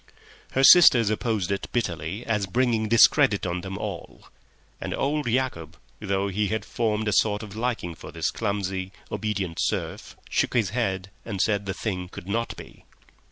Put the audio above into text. Her sisters opposed it bitterly as bringing discredit on them all; and old Yacob, though he had formed a sort of liking for his clumsy, obedient serf, shook his head and said the thing could not be.